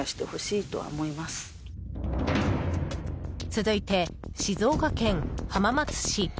続いて、静岡県浜松市。